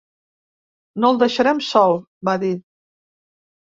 No el deixarem sol, va dir.